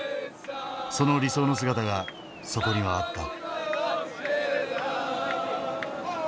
その理想の姿がそこにはあった。